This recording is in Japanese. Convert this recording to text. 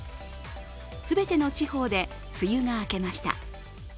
全ての地方で梅雨が明けました。